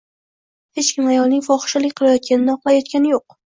Hech kim ayolning fohishalik qilayotganini oqlayotgani yoʻq